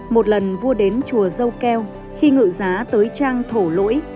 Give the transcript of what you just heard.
một lần vua đến chùa dâu keo khi ngựa giá tới trang thổ lỗi